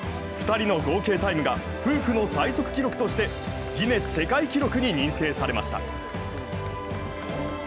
２人の合計タイムが夫婦の最速記録としてギネス世界記録に認定されました。